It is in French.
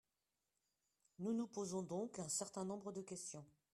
Nous nous posons donc un certain nombre de questions.